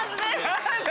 何だ？